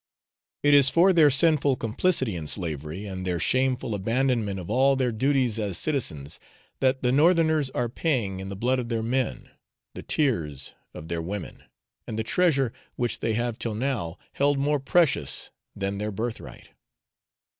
It is for their sinful complicity in slavery, and their shameful abandonment of all their duties as citizens, that the Northerners are paying in the blood of their men, the tears of their women, and the treasure which they have till now held more precious than their birthright.